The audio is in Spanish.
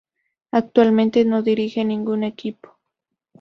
Actualmente no dirige ningún equipo.